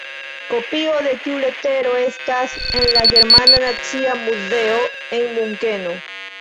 Kopio de tiu letero estas en la germana nacia muzeo en Munkeno.